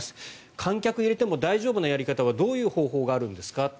観客を入れても大丈夫なやり方はどういう方法があるんですか。